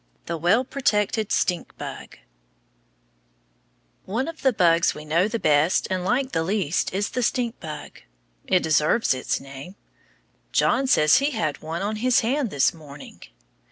THE WELL PROTECTED STINK BUG One of the bugs we know the best and like the least is the stink bug. It deserves its name. John says he had one on his hand this morning.